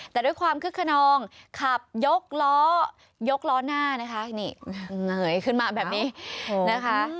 แต่ด้วยความคึกขนองขับยกล้อยกล้อหน้านะคะนี่เหงยขึ้นมาแบบนี้นะคะ